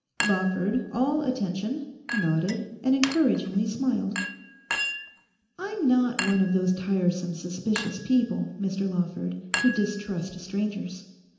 Lawford, all attention, nodded, and encouragingly smiled. 'I'm not one of those tiresome, suspicious people, Mr Lawford, who distrust strangers.